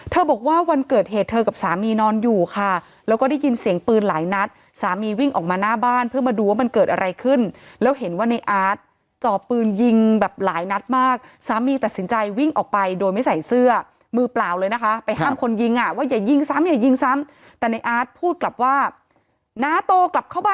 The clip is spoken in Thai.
บอกว่าวันเกิดเหตุเธอกับสามีนอนอยู่ค่ะแล้วก็ได้ยินเสียงปืนหลายนัดสามีวิ่งออกมาหน้าบ้านเพื่อมาดูว่ามันเกิดอะไรขึ้นแล้วเห็นว่าในอาร์ตจ่อปืนยิงแบบหลายนัดมากสามีตัดสินใจวิ่งออกไปโดยไม่ใส่เสื้อมือเปล่าเลยนะคะไปห้ามคนยิงอ่ะว่าอย่ายิงซ้ำอย่ายิงซ้ำแต่ในอาร์ตพูดกลับว่าน้าโตกลับเข้ามา